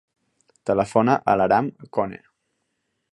Telefona a l'Aram Kone.